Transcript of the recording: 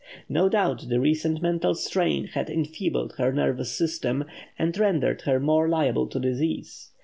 No doubt the recent mental strain had enfeebled her nervous system, and rendered her more liable to disease.